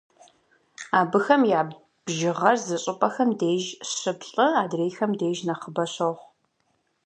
Абыхэм я бжыгъэр зы щӏыпӏэхэм деж щы-плӏы, адрейхэм деж нэхъыбэ щохъу.